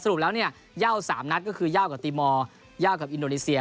รุปแล้วเนี่ยย่าว๓นัดก็คือยาวกว่าตีมอร์ยาวกับอินโดนีเซีย